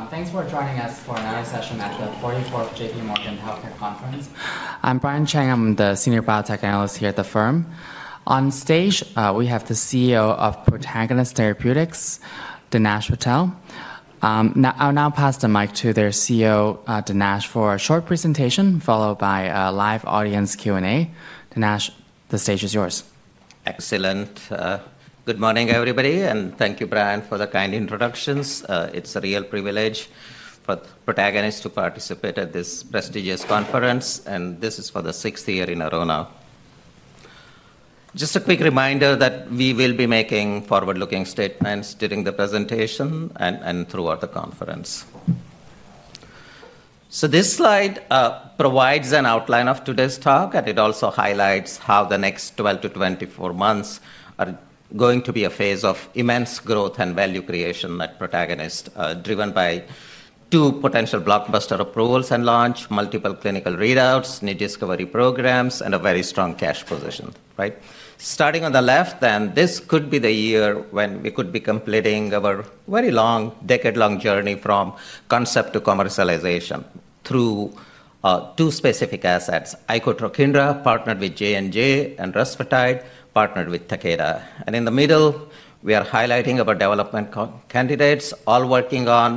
Good morning, everyone. Thanks for joining us for another session at the 44th JPMorgan Healthcare Conference. I'm Brian Cheng. I'm the Senior Biotech Analyst here at the firm. On stage, we have the CEO of Protagonist Therapeutics, Dinesh Patel. I'll now pass the mic to their CEO, Dinesh, for a short presentation followed by a live audience Q and A. Dinesh, the stage is yours. Excellent. Good morning, everybody. And thank you, Brian, for the kind introductions. It's a real privilege for Protagonist to participate at this prestigious conference. And this is for the sixth year in a row now. Just a quick reminder that we will be making forward-looking statements during the presentation and throughout the conference. So this slide provides an outline of today's talk. And it also highlights how the next 12 to 24 months are going to be a phase of immense growth and value creation at Protagonist, driven by two potential blockbuster approvals and launches, multiple clinical readouts, new discovery programs, and a very strong cash position. Right? Starting on the left, then this could be the year when we could be completing our very long, decade-long journey from concept to commercialization through two specific assets, Icotrokinra, partnered with J&J, and Rusfertide, partnered with Takeda. In the middle, we are highlighting our development candidates, all working on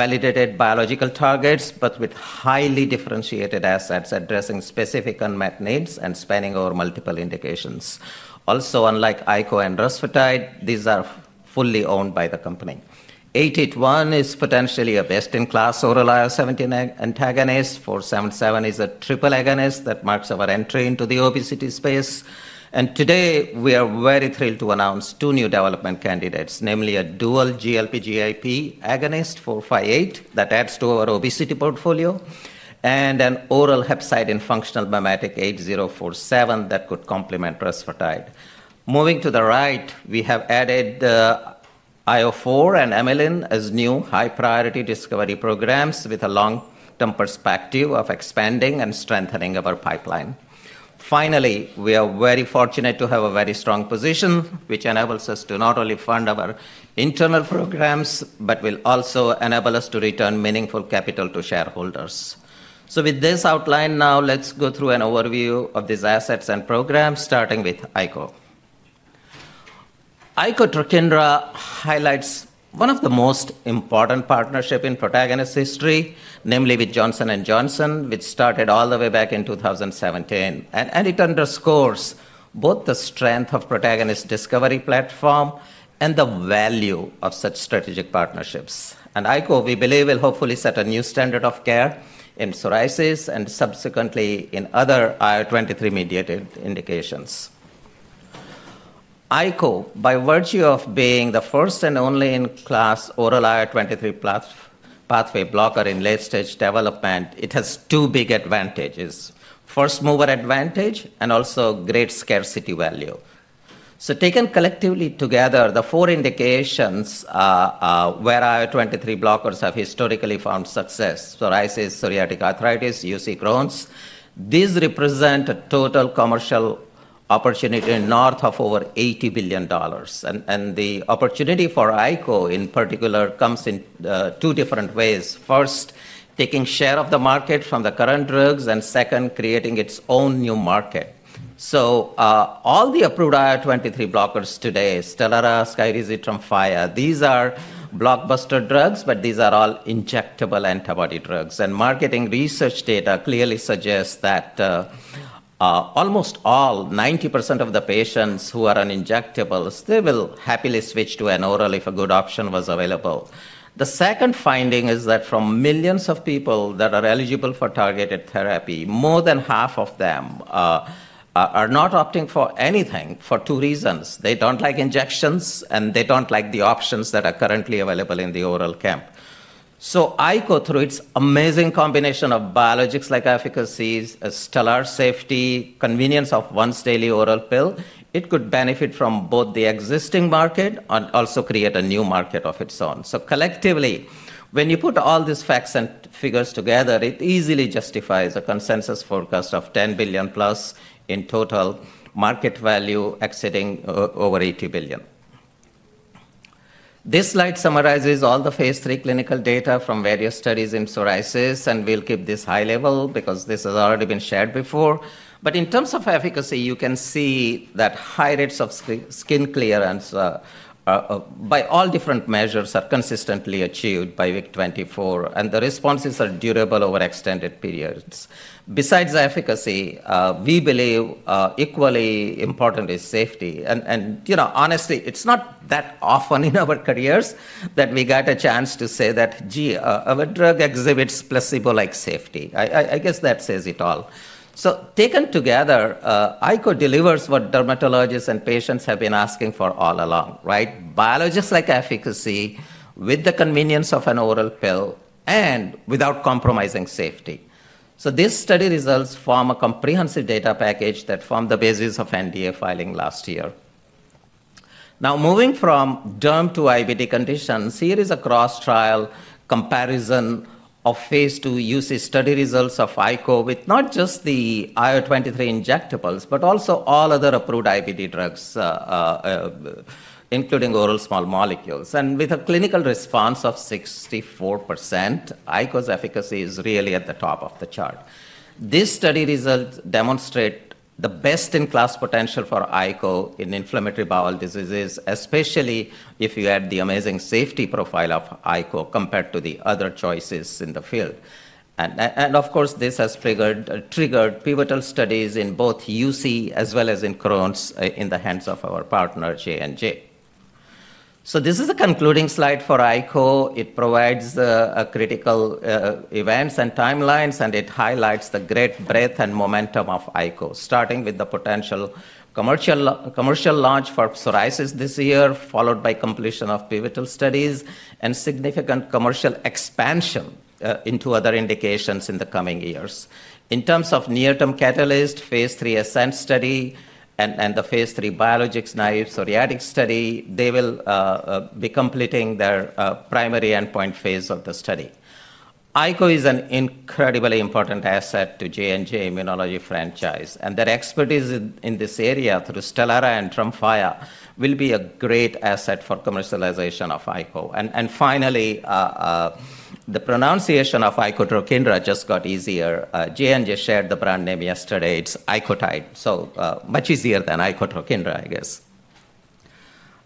validated biological targets, but with highly differentiated assets addressing specific unmet needs and spanning over multiple indications. Also, unlike Ico and Rusfertide, these are fully owned by the company. 881 is potentially a best-in-class oral IL-17 antagonist. 477 is a triple agonist that marks our entry into the obesity space. And today, we are very thrilled to announce two new development candidates, namely a dual GLP-1/GIP agonist, 458, that adds to our obesity portfolio, and an oral hepcidin functional mimetic, 8047, that could complement Rusfertide. Moving to the right, we have added IL-4 and amylin as new high-priority discovery programs with a long-term perspective of expanding and strengthening our pipeline. Finally, we are very fortunate to have a very strong position, which enables us to not only fund our internal programs, but will also enable us to return meaningful capital to shareholders. So with this outline now, let's go through an overview of these assets and programs, starting with Ico. Icotrokinra highlights one of the most important partnerships in Protagonist's history, namely with Johnson & Johnson, which started all the way back in 2017, and it underscores both the strength of Protagonist's discovery platform and the value of such strategic partnerships, and Ico, we believe, will hopefully set a new standard of care in psoriasis and subsequently in other IL-23-mediated indications. Ico, by virtue of being the first and only in-class oral IL-23 pathway blocker in late-stage development, has two big advantages: first-mover advantage and also great scarcity value. Taken collectively together, the four indications where IL-23 blockers have historically found success: psoriasis, psoriatic arthritis, UC, Crohn's. These represent a total commercial opportunity north of over $80 billion. And the opportunity for Ico, in particular, comes in two different ways. First, taking share of the market from the current drugs. And second, creating its own new market. So all the approved IL-23 blockers today, Stelara, Skyrizi, Tremfya, they are blockbuster drugs, but these are all injectable antibody drugs. And marketing research data clearly suggests that almost all, 90% of the patients who are on injectables, they will happily switch to an oral if a good option was available. The second finding is that from millions of people that are eligible for targeted therapy, more than half of them are not opting for anything for two reasons. They don't like injections, and they don't like the options that are currently available in the oral camp, so Ico, through its amazing combination of biologics-like efficacies, Stelara's safety, and convenience of once-daily oral pill, could benefit from both the existing market and also create a new market of its own. So collectively, when you put all these facts and figures together, it easily justifies a consensus forecast of $10 billion plus in total market value, exceeding over $80 billion. This slide summarizes all the phase III clinical data from various studies in psoriasis, and we'll keep this high level because this has already been shared before, but in terms of efficacy, you can see that high rates of skin clearance by all different measures are consistently achieved by week 24, and the responses are durable over extended periods. Besides efficacy, we believe equally important is safety. Honestly, it's not that often in our careers that we got a chance to say that, gee, our drug exhibits placebo-like safety. I guess that says it all. Taken together, Ico delivers what dermatologists and patients have been asking for all along, right? Biologics-like efficacy with the convenience of an oral pill and without compromising safety. These study results form a comprehensive data package that formed the basis of NDA filing last year. Now, moving from derm to IBD conditions, here is a cross-trial comparison of Phase II UC study results of Ico with not just the IL-23 injectables, but also all other approved IBD drugs, including oral small molecules. With a clinical response of 64%, Ico's efficacy is really at the top of the chart. These study results demonstrate the best-in-class potential for Ico in inflammatory bowel diseases, especially if you add the amazing safety profile of Ico compared to the other choices in the field. And of course, this has triggered pivotal studies in both UC as well as in Crohn's in the hands of our partner, J&J. So this is a concluding slide for Ico. It provides critical events and timelines. And it highlights the great breadth and momentum of Ico, starting with the potential commercial launch for psoriasis this year, followed by completion of pivotal studies and significant commercial expansion into other indications in the coming years. In terms of near-term catalyst, Phase 3 ASCENT study and the Phase 3 biologics-like psoriatic study, they will be completing their primary endpoint phase of the study. Ico is an incredibly important asset to J&J immunology franchise. And their expertise in this area through Stelara and Tremfya will be a great asset for commercialization of Ico. And finally, the pronunciation of Icotrokinra just got easier. J&J shared the brand name yesterday. It's Icotide. So much easier than Icotrokinra, I guess.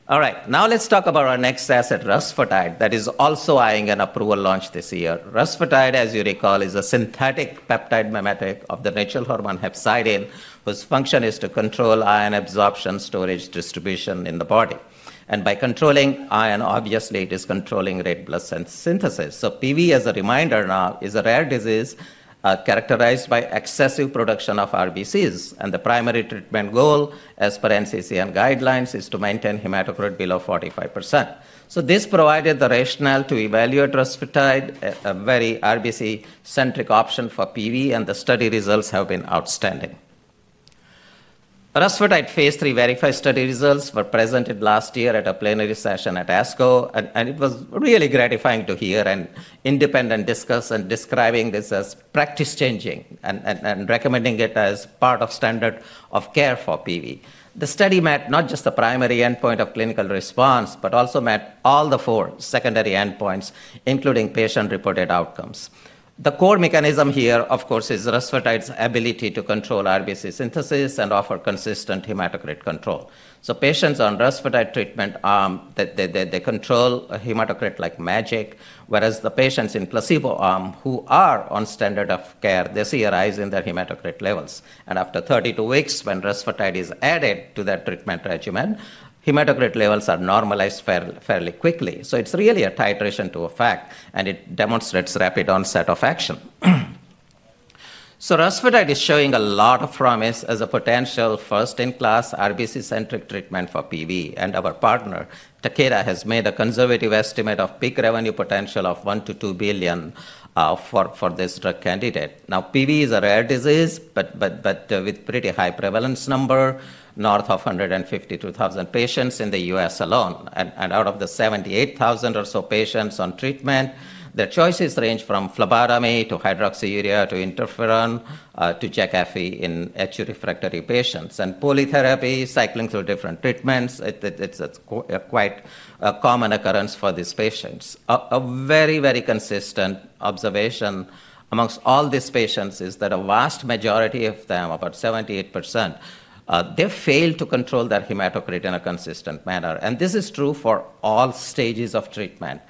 All right, now let's talk about our next asset, Rusfertide, that is also eyeing an approval launch this year. Rusfertide, as you recall, is a synthetic peptide mimetic of the natural hormone hepcidin, whose function is to control iron absorption, storage, and distribution in the body. And by controlling iron, obviously, it is controlling red blood cell synthesis. So PV, as a reminder now, is a rare disease characterized by excessive production of RBCs. And the primary treatment goal, as per NCCN guidelines, is to maintain hematocrit below 45%. So this provided the rationale to evaluate Rusfertide, a very RBC-centric option for PV. The study results have been outstanding. Rusfertide Phase 3 VERIFY study results were presented last year at a plenary session at ASCO. It was really gratifying to hear an independent discussion describing this as practice-changing and recommending it as part of standard of care for PV. The study met not just the primary endpoint of clinical response, but also met all the four secondary endpoints, including patient-reported outcomes. The core mechanism here, of course, is Rusfertide's ability to control RBC synthesis and offer consistent hematocrit control. Patients on Rusfertide treatment, they control hematocrit like magic, whereas the patients in placebo arm who are on standard of care, they see a rise in their hematocrit levels. After 32 weeks, when Rusfertide is added to their treatment regimen, hematocrit levels are normalized fairly quickly. It's really a titration to effect. It demonstrates rapid onset of action. Rusfertide is showing a lot of promise as a potential first-in-class RBC-centric treatment for PV. Our partner, Takeda, has made a conservative estimate of peak revenue potential of $1 to $2 billion for this drug candidate. Now, PV is a rare disease, but with a pretty high prevalence number, north of 152,000 patients in the U.S. alone. Out of the 78,000 or so patients on treatment, their choices range from phlebotomy to hydroxyurea to interferon to Jakafi in acute refractory patients. Polytherapy, cycling through different treatments, it's a quite common occurrence for these patients. A very, very consistent observation amongst all these patients is that a vast majority of them, about 78%, they fail to control their hematocrit in a consistent manner. This is true for all stages of treatment.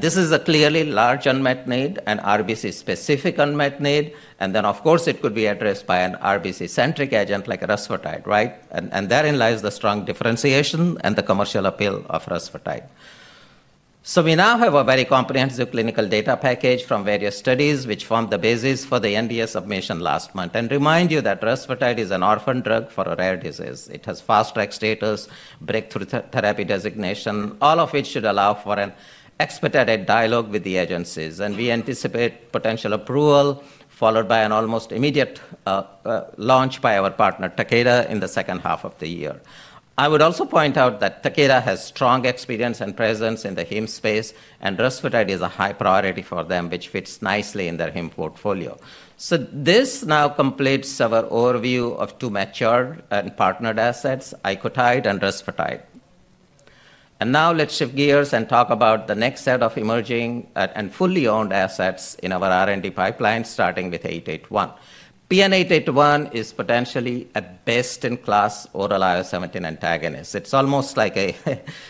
This is a clearly large unmet need and RBC-specific unmet need. And then, of course, it could be addressed by an RBC-centric agent like Rusfertide, right? And therein lies the strong differentiation and the commercial appeal of Rusfertide. So we now have a very comprehensive clinical data package from various studies, which formed the basis for the NDA submission last month. And remind you that Rusfertide is an orphan drug for a rare disease. It has fast-track status, breakthrough therapy designation, all of which should allow for an expedited dialogue with the agencies. And we anticipate potential approval, followed by an almost immediate launch by our partner, Takeda, in the second half of the year. I would also point out that Takeda has strong experience and presence in the heme space. And Rusfertide is a high priority for them, which fits nicely in their heme portfolio. So this now completes our overview of two mature and partnered assets, Icotide and Rusfertide. And now let's shift gears and talk about the next set of emerging and fully owned assets in our R&D pipeline, starting with PN-881. PN-881 is potentially a best-in-class oral IL-17 antagonist. It's almost like a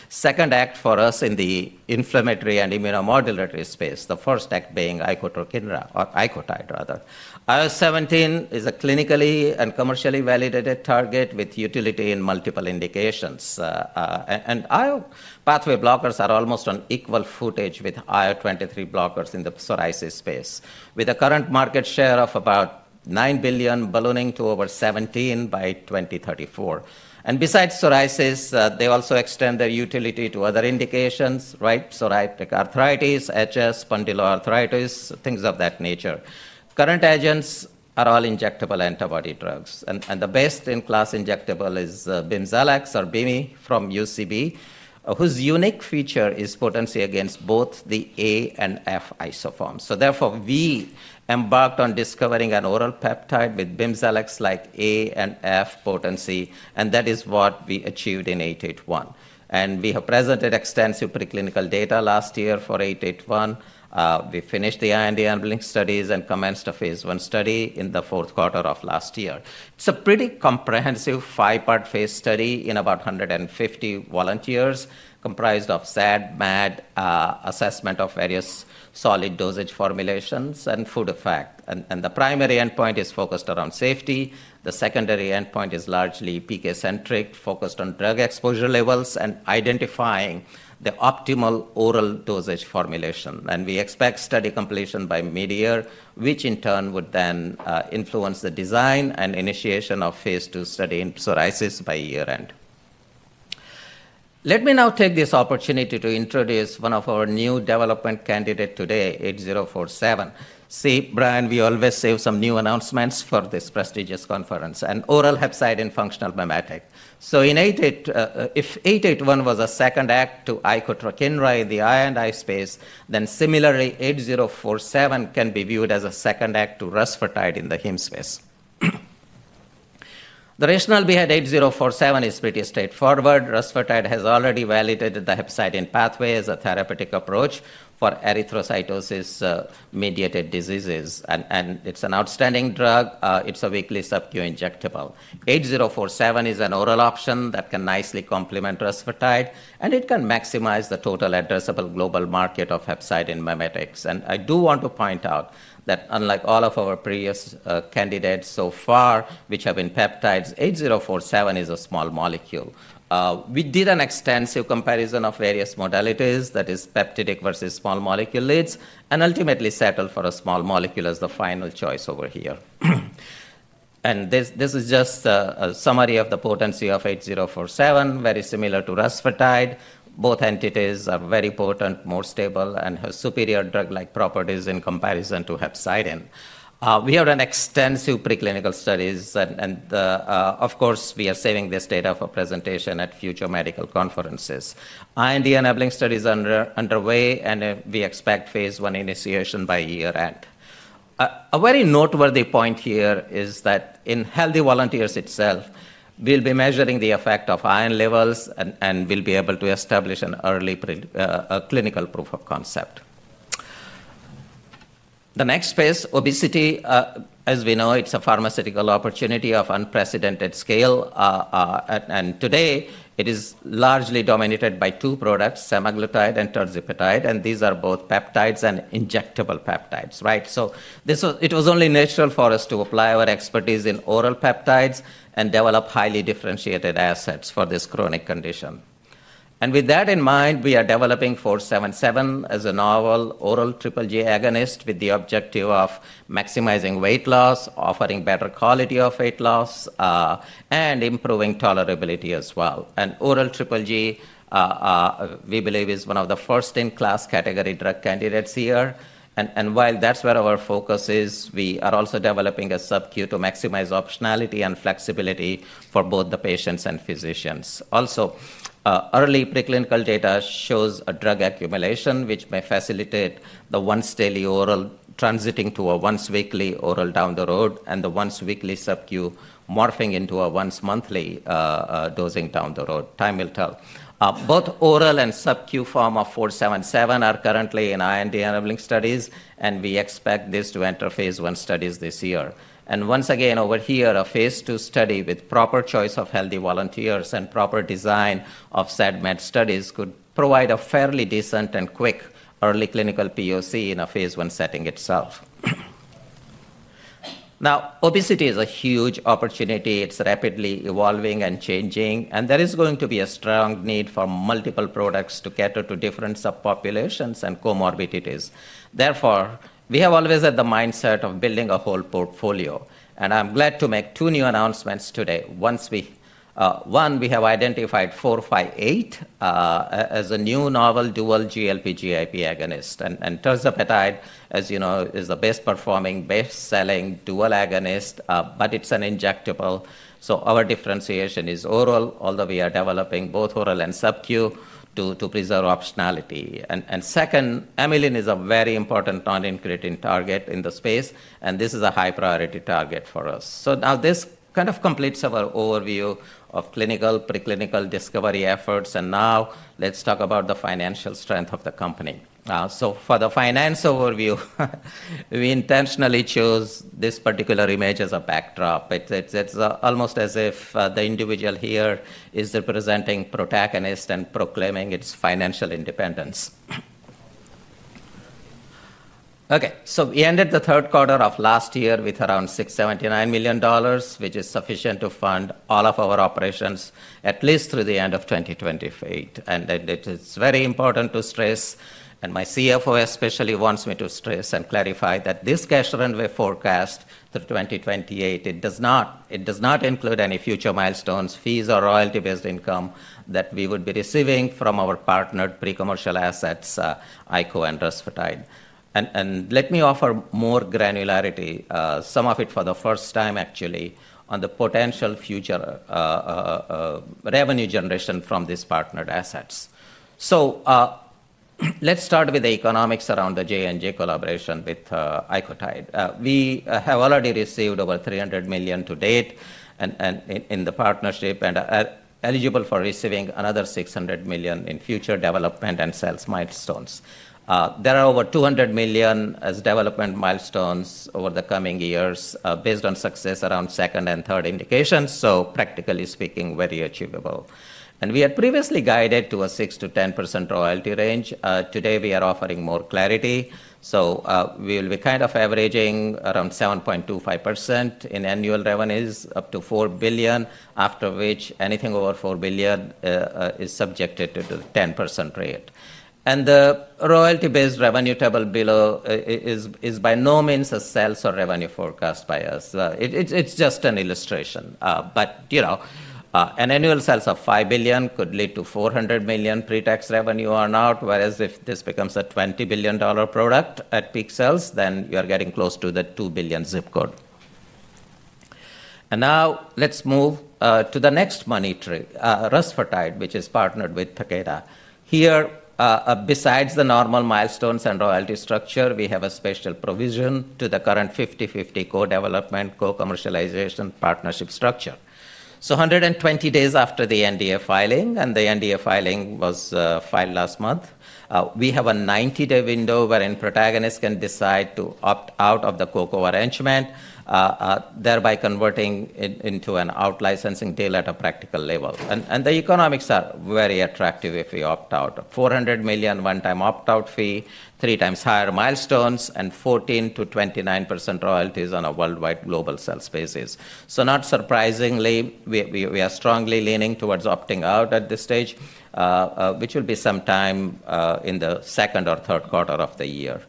second act for us in the inflammatory and immunomodulatory space, the first act being Icotrokinra or Icotide, rather. IL-17 is a clinically and commercially validated target with utility in multiple indications. And IL-17 pathway blockers are almost on equal footing with IL-23 blockers in the psoriasis space, with a current market share of about $9 billion ballooning to over $17 billion by 2034. And besides psoriasis, they also extend their utility to other indications, right? Psoriatic arthritis, HS, spondyloarthritis, things of that nature. Current agents are all injectable antibody drugs. And the best-in-class injectable is Bimzelx or Bimi from UCB, whose unique feature is potency against both the A and F isoforms. Therefore, we embarked on discovering an oral peptide with Bimzelx-like A and F potency. That is what we achieved in 881. We have presented extensive preclinical data last year for 881. We finished the IND enabling studies and commenced a Phase I study in the fourth quarter of last year. It's a pretty comprehensive five-part phase study in about 150 volunteers, comprised of SAD, MAD, assessment of various solid dosage formulations, and food effect. The primary endpoint is focused around safety. The secondary endpoint is largely PK-centric, focused on drug exposure levels and identifying the optimal oral dosage formulation. We expect study completion by mid-year, which in turn would then influence the design and initiation of Phase II study in psoriasis by year-end. Let me now take this opportunity to introduce one of our new development candidates today, 8047. See, Brian, we always save some new announcements for this prestigious conference, an oral hepcidin functional mimetic. So if 881 was a second act to Icotrokinra in the I&I space, then similarly, 8047 can be viewed as a second act to Rusfertide in the heme space. The rationale behind 8047 is pretty straightforward. Rusfertide has already validated the hepcidin pathway as a therapeutic approach for erythrocytosis-mediated diseases. And it's an outstanding drug. It's a weekly SubQ injectable. 8047 is an oral option that can nicely complement Rusfertide. And it can maximize the total addressable global market of hepcidin mimetics. And I do want to point out that unlike all of our previous candidates so far, which have been peptides, 8047 is a small molecule. We did an extensive comparison of various modalities, that is, peptidic versus small molecule leads, and ultimately settled for a small molecule as the final choice over here. And this is just a summary of the potency of 8047, very similar to Rusfertide. Both entities are very potent, more stable, and have superior drug-like properties in comparison to hepcidin. We had an extensive preclinical studies. And of course, we are saving this data for presentation at future medical conferences. IND enabling studies are underway. And we expect Phase I initiation by year-end. A very noteworthy point here is that in healthy volunteers itself, we'll be measuring the effect of iron levels. And we'll be able to establish an early clinical proof of concept. The next phase, obesity, as we know, it's a pharmaceutical opportunity of unprecedented scale. And today, it is largely dominated by two products, semaglutide and tirzepatide. These are both peptides and injectable peptides, right? It was only natural for us to apply our expertise in oral peptides and develop highly differentiated assets for this chronic condition. With that in mind, we are developing PN-477 as a novel oral triple agonist with the objective of maximizing weight loss, offering better quality of weight loss, and improving tolerability as well. Oral triple agonist, we believe, is one of the first-in-class category drug candidates here. While that's where our focus is, we are also developing a SubQ to maximize optionality and flexibility for both the patients and physicians. Early preclinical data shows a drug accumulation, which may facilitate the once-daily oral transiting to a once-weekly oral down the road and the once-weekly SubQ morphing into a once-monthly dosing down the road. Time will tell. Both oral and SubQ forms of PN-477 are currently in IND-enabling studies, and we expect this to enter Phase I studies this year. Once again, over here, a Phase II study with proper choice of healthy volunteers and proper design of SAD/MAD studies could provide a fairly decent and quick early clinical POC in a Phase I setting itself. Now, obesity is a huge opportunity. It's rapidly evolving and changing. There is going to be a strong need for multiple products to cater to different subpopulations and comorbidities. Therefore, we have always had the mindset of building a whole portfolio. I'm glad to make two new announcements today. One, we have identified PN-458 as a new novel dual GLP-1/GIP agonist. Tirzepatide, as you know, is the best-performing, best-selling dual agonist, but it's an injectable. So our differentiation is oral, although we are developing both oral and SubQ to preserve optionality. And second, amylin is a very important non-incretin target in the space. And this is a high-priority target for us. So now this kind of completes our overview of clinical preclinical discovery efforts. And now let's talk about the financial strength of the company. So for the finance overview, we intentionally chose this particular image as a backdrop. It's almost as if the individual here is representing Protagonist and proclaiming its financial independence. Okay, so we ended the third quarter of last year with around $679 million, which is sufficient to fund all of our operations at least through the end of 2028. And it is very important to stress, and my CFO especially wants me to stress and clarify that this cash runway forecast for 2028, it does not include any future milestones, fees, or royalty-based income that we would be receiving from our partnered pre-commercial assets, Ico and Rusfertide. And let me offer more granularity, some of it for the first time, actually, on the potential future revenue generation from these partnered assets. So let's start with the economics around the J&J collaboration with Icotide. We have already received over $300 million to date in the partnership and are eligible for receiving another $600 million in future development and sales milestones. There are over $200 million as development milestones over the coming years based on success around second and third indications, so practically speaking, very achievable. And we had previously guided to a 6% to 10% royalty range. Today, we are offering more clarity. So we will be kind of averaging around 7.25% in annual revenues, up to $4 billion, after which anything over $4 billion is subjected to the 10% rate. And the royalty-based revenue table below is by no means a sales or revenue forecast by us. It's just an illustration. But an annual sales of $5 billion could lead to $400 million pre-tax revenue or not, whereas if this becomes a $20 billion product at peak sales, then you are getting close to the $2 billion zip code. And now let's move to the next money tree, Rusfertide, which is partnered with Takeda. Here, besides the normal milestones and royalty structure, we have a special provision to the current 50/50 co-development, co-commercialization partnership structure. 120 days after the NDA filing, and the NDA filing was filed last month, we have a 90-day window wherein Protagonist can decide to opt out of the co-co arrangement, thereby converting into an out-licensing deal at a practical level. And the economics are very attractive if we opt out. $400 million one-time opt-out fee, three times higher milestones, and 14% to 29% royalties on a worldwide global sales basis. Not surprisingly, we are strongly leaning towards opting out at this stage, which will be sometime in the second or third quarter of the year.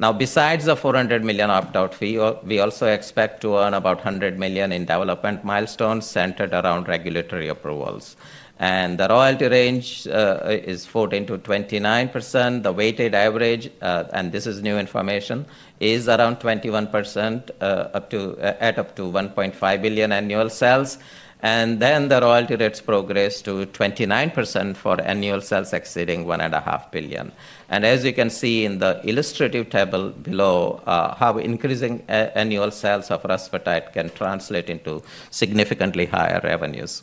Now, besides the $400 million opt-out fee, we also expect to earn about $100 million in development milestones centered around regulatory approvals. And the royalty range is 14% to 29%. The weighted average, and this is new information, is around 21% at up to $1.5 billion annual sales. And then the royalty rates progress to 29% for annual sales exceeding $1.5 billion. And as you can see in the illustrative table below, how increasing annual sales of Rusfertide can translate into significantly higher revenues.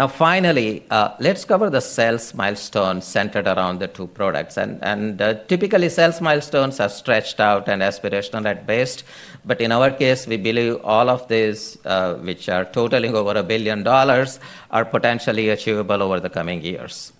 Now, finally, let's cover the sales milestones centered around the two products. And typically, sales milestones are stretched out and aspirational at best. But in our case, we believe all of these, which are totaling over $1 billion, are potentially achievable over the coming years.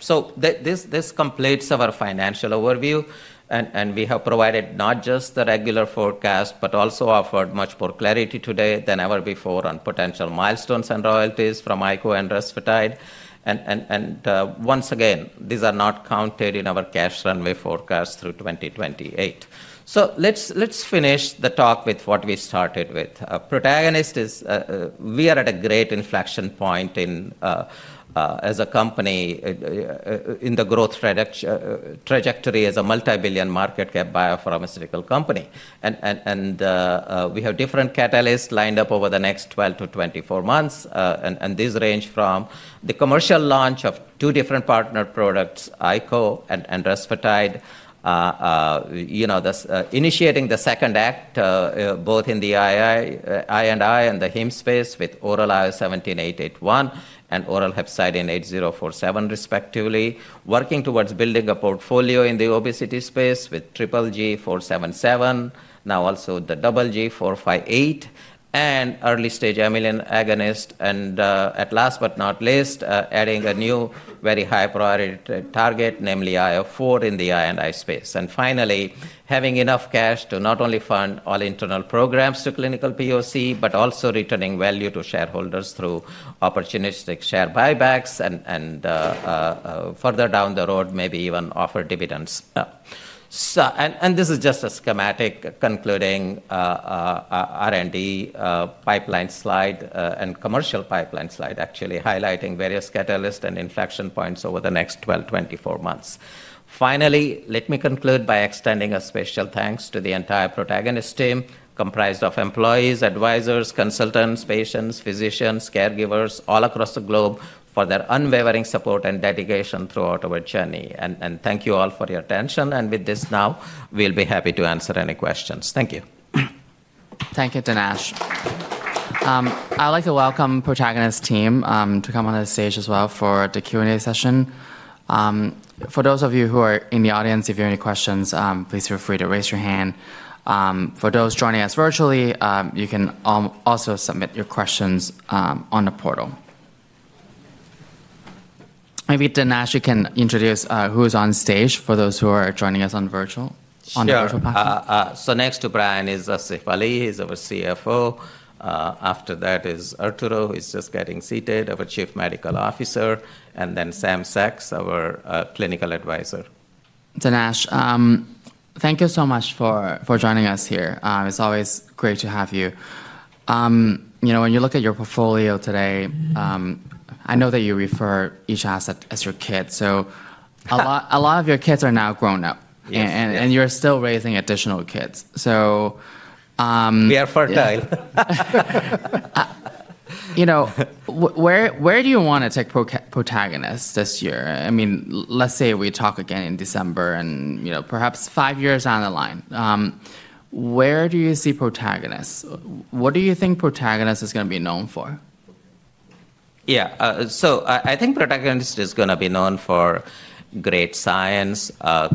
So this completes our financial overview. And we have provided not just the regular forecast, but also offered much more clarity today than ever before on potential milestones and royalties from Ico and Rusfertide. And once again, these are not counted in our cash runway forecast through 2028. So let's finish the talk with what we started with. Protagonist, we are at a great inflection point as a company in the growth trajectory as a multi-billion market cap biopharmaceutical company. We have different catalysts lined up over the next 12 to 24 months. These range from the commercial launch of two different partner products, Ico and Rusfertide, initiating the second act both in the IBD and the heme space with oral PN-881 and oral hepcidin PN-8047, respectively, working towards building a portfolio in the obesity space with PN-477, now also the PN-458, and early-stage amylin agonist. Last but not least, adding a new very high-priority target, namely IL-4 in the IBD space. Finally, having enough cash to not only fund all internal programs to clinical POC, but also returning value to shareholders through opportunistic share buybacks and further down the road, maybe even offer dividends. This is just a schematic concluding R&D pipeline slide and commercial pipeline slide, actually, highlighting various catalysts and inflection points over the next 12 to 24 months. Finally, let me conclude by extending a special thanks to the entire Protagonist team, comprised of employees, advisors, consultants, patients, physicians, caregivers all across the globe for their unwavering support and dedication throughout our journey. Thank you all for your attention. With this now, we'll be happy to answer any questions. Thank you. Thank you, Dinesh. I'd like to welcome the Protagonist team to come on the stage as well for the Q and A session. For those of you who are in the audience, if you have any questions, please feel free to raise your hand. For those joining us virtually, you can also submit your questions on the portal. Maybe, Dinesh, you can introduce who's on stage for those who are joining us on virtual platform. Next to Brian is Asif Ali. He's our CFO. After that is Arturo, who is just getting seated, our Chief Medical Officer. And then Sam Saks, our Clinical Advisor. Dinesh, thank you so much for joining us here. It's always great to have you. When you look at your portfolio today, I know that you refer each asset as your kid. So a lot of your kids are now grown up. And you're still raising additional kids. So. We are fertile. Where do you want to take Protagonist this year? I mean, let's say we talk again in December, and perhaps five years down the line. Where do you see Protagonist? What do you think Protagonist is going to be known for? Yeah, so I think Protagonist is going to be known for great science,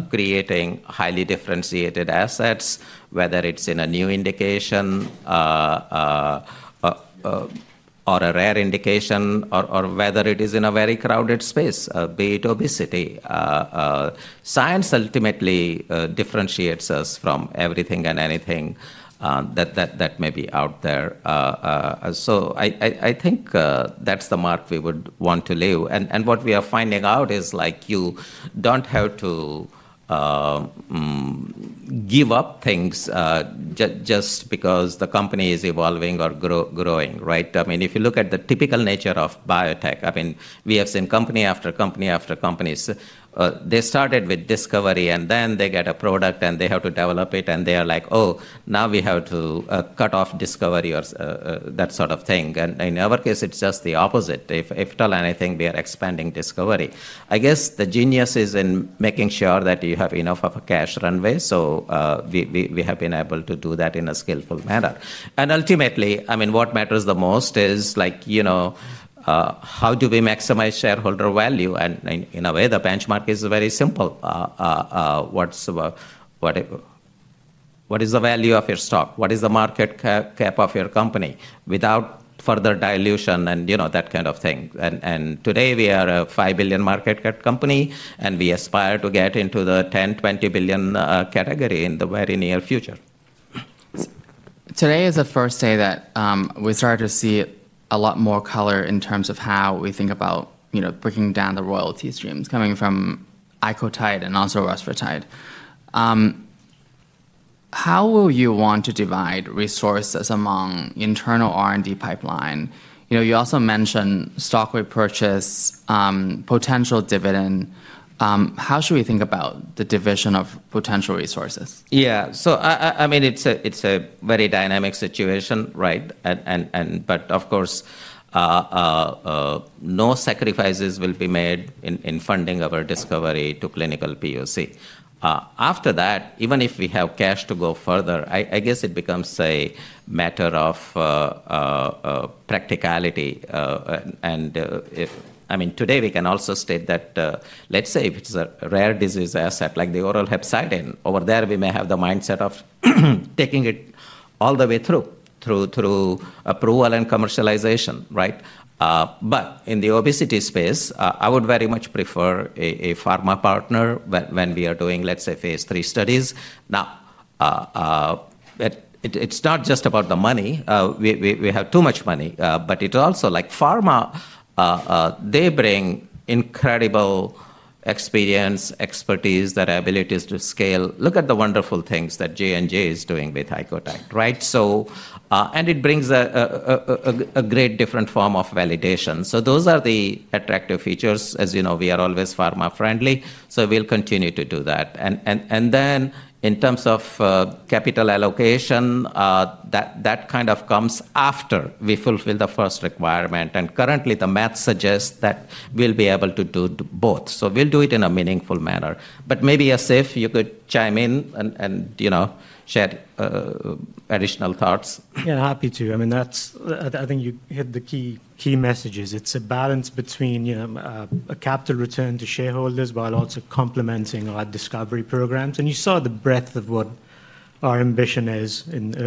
creating highly differentiated assets, whether it's in a new indication or a rare indication, or whether it is in a very crowded space, be it obesity. Science ultimately differentiates us from everything and anything that may be out there. So I think that's the mark we would want to leave. And what we are finding out is you don't have to give up things just because the company is evolving or growing, right? I mean, if you look at the typical nature of biotech, I mean, we have seen company after company after company. They started with discovery, and then they get a product, and they have to develop it. And they are like, oh, now we have to cut off discovery or that sort of thing. And in our case, it's just the opposite. If at all anything, we are expanding discovery. I guess the genius is in making sure that you have enough of a cash runway. So we have been able to do that in a skillful manner. And ultimately, I mean, what matters the most is how do we maximize shareholder value? And in a way, the benchmark is very simple. What is the value of your stock? What is the market cap of your company without further dilution and that kind of thing? And today, we are a $5 billion market cap company. And we aspire to get into the $10 to $20 billion category in the very near future. Today is the first day that we started to see a lot more color in terms of how we think about breaking down the royalty streams coming from Icotide and also Rusfertide. How will you want to divide resources among internal R&D pipeline? You also mentioned stock repurchase, potential dividend. How should we think about the division of potential resources? Yeah, so I mean, it's a very dynamic situation, right? But of course, no sacrifices will be made in funding our discovery to clinical POC. After that, even if we have cash to go further, I guess it becomes a matter of practicality. And I mean, today, we can also state that let's say if it's a rare disease asset like the oral hepcidin, over there, we may have the mindset of taking it all the way through, through approval and commercialization, right? But in the obesity space, I would very much prefer a pharma partner when we are doing, let's say, phase three studies. Now, it's not just about the money. We have too much money. But it's also like pharma, they bring incredible experience, expertise, their abilities to scale. Look at the wonderful things that J&J is doing with Icotide, right? And it brings a great different form of validation. So those are the attractive features. As you know, we are always pharma-friendly. So we'll continue to do that. And then in terms of capital allocation, that kind of comes after we fulfill the first requirement. And currently, the math suggests that we'll be able to do both. So we'll do it in a meaningful manner. But maybe Asif, you could chime in and share additional thoughts. Yeah, happy to. I mean, I think you hit the key messages. It's a balance between a capital return to shareholders while also complementing our discovery programs. And you saw the breadth of what our ambition is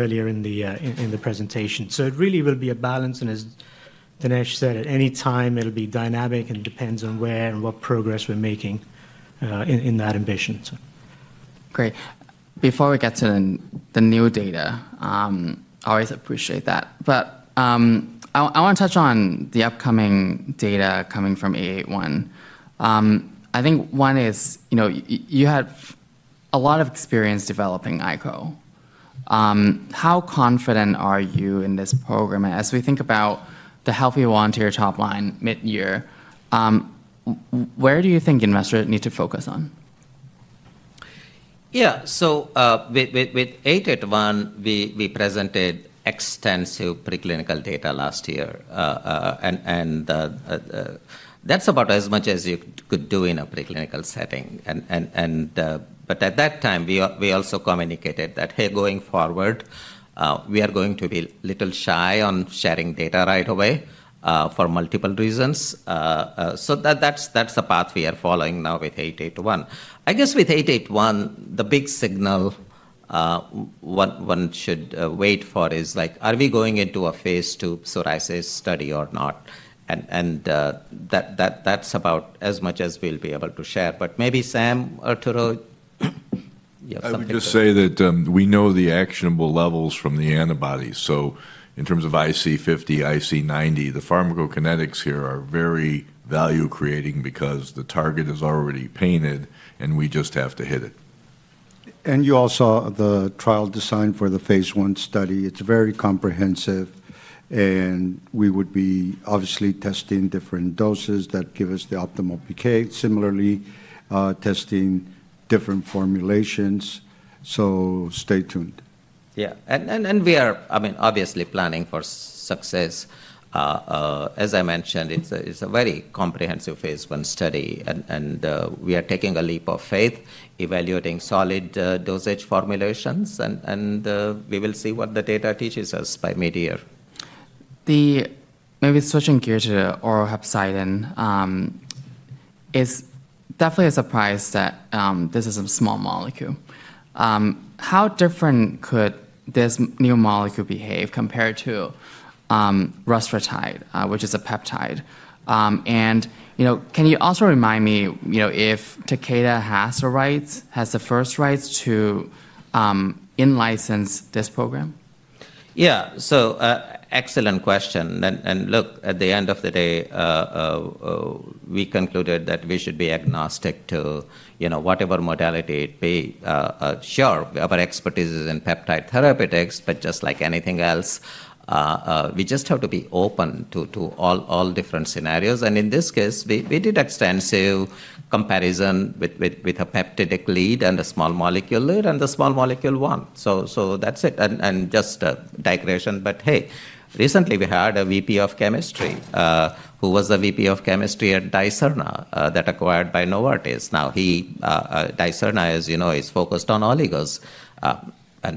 earlier in the presentation. So it really will be a balance. And as Dinesh said, at any time, it'll be dynamic. And it depends on where and what progress we're making in that ambition. Great. Before we get to the new data, I always appreciate that. But I want to touch on the upcoming data coming from 881. I think one is you had a lot of experience developing Ico. How confident are you in this program? And as we think about the healthy volunteer top line mid-year, where do you think investors need to focus on? Yeah, so with 881, we presented extensive preclinical data last year. And that's about as much as you could do in a preclinical setting. But at that time, we also communicated that, hey, going forward, we are going to be a little shy on sharing data right away for multiple reasons. So that's the path we are following now with 881. I guess with 881, the big signal one should wait for is like, are we going into a phase two psoriasis study or not? And that's about as much as we'll be able to share. But maybe Sam, Arturo, you have something to add? I would just say that we know the actionable levels from the antibodies. So in terms of IC50, IC90, the pharmacokinetics here are very value-creating because the target is already painted, and we just have to hit it. You also saw the trial design for the phase one study. It's very comprehensive. We would be obviously testing different doses that give us the optimal PK, similarly testing different formulations. Stay tuned. Yeah, and we are, I mean, obviously planning for success. As I mentioned, it's a very comprehensive phase one study. And we are taking a leap of faith, evaluating solid dosage formulations. And we will see what the data teaches us by mid-year. Maybe switching gears to oral hepcidin, it's definitely a surprise that this is a small molecule. How different could this new molecule behave compared to rusfertide, which is a peptide? And can you also remind me if Takeda has the rights, has the first rights to license this program? Yeah, so excellent question. And look, at the end of the day, we concluded that we should be agnostic to whatever modality it be. Sure, our expertise is in peptide therapeutics, but just like anything else, we just have to be open to all different scenarios. And in this case, we did extensive comparison with a peptidic lead and a small molecule lead and the small molecule one. So that's it. And just a digression. But hey, recently, we had a VP of chemistry who was a VP of chemistry at Dicerna that was acquired by Novo Nordisk. Now, Dicerna, as you know, is focused on oligos.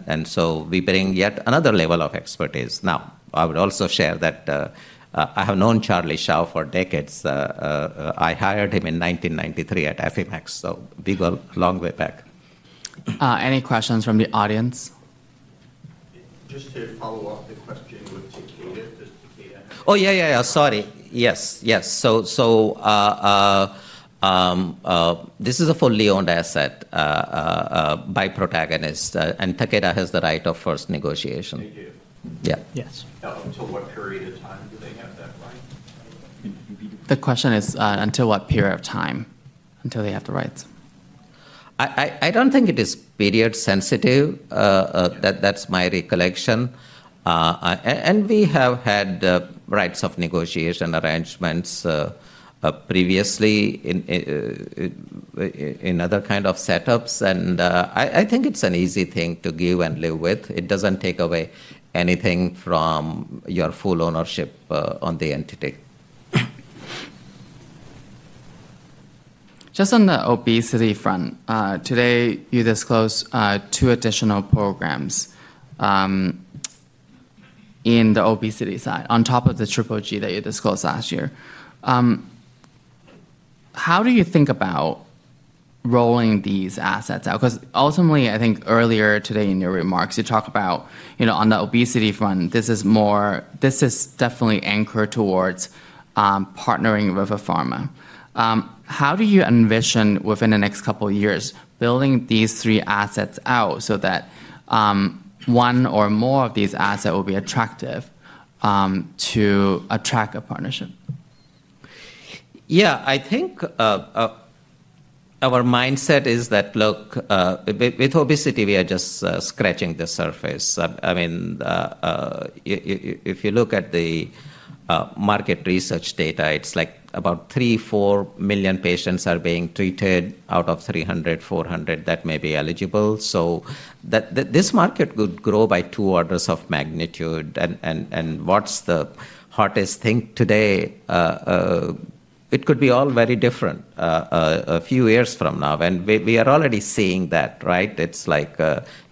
And so we bring yet another level of expertise. Now, I would also share that I have known Charlie Shao for decades. I hired him in 1993 at Affymax. So we go a long way back. Any questions from the audience? Just to follow up the question with Takeda. So this is a fully owned asset by Protagonist. And Takeda has the right of first negotiation. They do. Yeah. Yes. To what period of time do they have that right? The question is, until what period of time they have the rights? I don't think it is period sensitive. That's my recollection. And we have had rights of negotiation arrangements previously in other kind of setups. And I think it's an easy thing to give and live with. It doesn't take away anything from your full ownership on the entity. Just on the obesity front, today, you disclosed two additional programs in the obesity side on top of the GGG that you disclosed last year. How do you think about rolling these assets out? Because ultimately, I think earlier today in your remarks, you talked about on the obesity front, this is definitely anchored towards partnering with a pharma. How do you envision within the next couple of years building these three assets out so that one or more of these assets will be attractive to attract a partnership? Yeah, I think our mindset is that, look, with obesity, we are just scratching the surface. I mean, if you look at the market research data, it's like about 3-4 million patients are being treated out of 300, 400 that may be eligible. So this market could grow by two orders of magnitude. And what's the hottest thing today? It could be all very different a few years from now. And we are already seeing that, right? It's like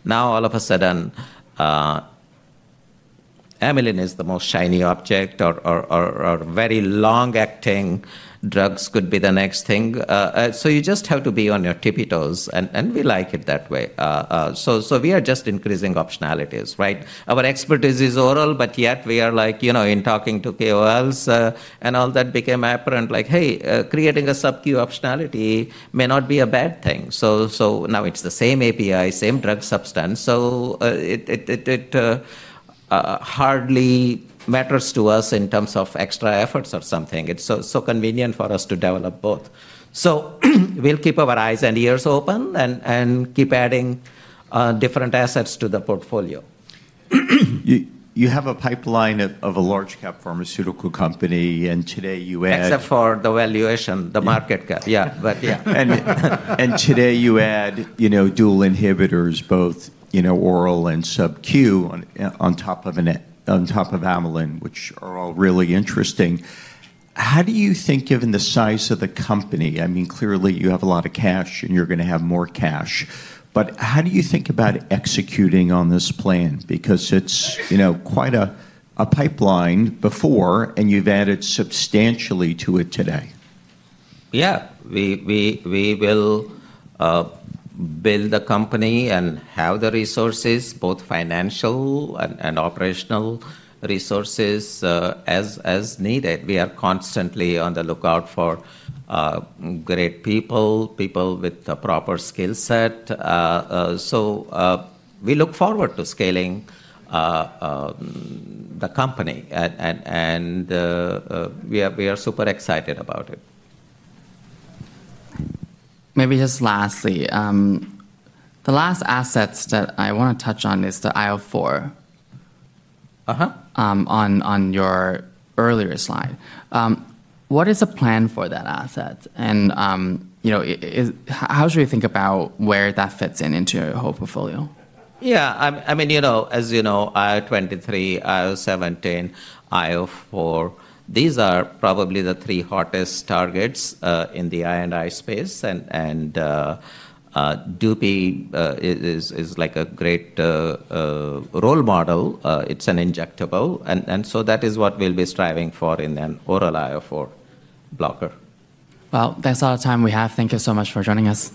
now all of a sudden, amylin is the most shiny object, or very long-acting drugs could be the next thing. So you just have to be on your tippy toes. And we like it that way. So we are just increasing optionalities, right? Our expertise is oral. But yet, we are like in talking to KOLs and all that became apparent like, hey, creating a sub-Q optionality may not be a bad thing. So now it's the same API, same drug substance. So it hardly matters to us in terms of extra efforts or something. It's so convenient for us to develop both. So we'll keep our eyes and ears open and keep adding different assets to the portfolio. You have a pipeline of a large-cap pharmaceutical company, and today, you add. Except for the valuation, the market cap, yeah. But yeah. Today, you add dual inhibitors, both oral and sub-Q on top of amylin, which are all really interesting. How do you think, given the size of the company? I mean, clearly, you have a lot of cash, and you're going to have more cash. How do you think about executing on this plan? Because it's quite a pipeline before, and you've added substantially to it today. Yeah, we will build the company and have the resources, both financial and operational resources as needed. We are constantly on the lookout for great people, people with the proper skill set. So we look forward to scaling the company. And we are super excited about it. Maybe just lastly, the last assets that I want to touch on is the IL-4 on your earlier slide. What is the plan for that asset? And how should we think about where that fits into your whole portfolio? Yeah, I mean, as you know, IL-23, IL-17, IL-4, these are probably the three hottest targets in the I&I space. And Dupixent is like a great role model. It's an injectable. And so that is what we'll be striving for in an oral IL-4 blocker. That's all the time we have. Thank you so much for joining us.